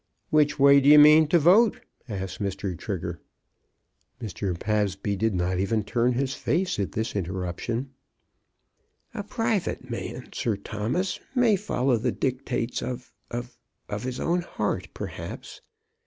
"Which way do you mean to vote?" asked Mr. Trigger. Mr. Pabsby did not even turn his face at this interruption. "A private man, Sir Thomas, may follow the dictates of of of his own heart, perhaps."